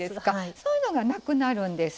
そういうのがなくなるんです。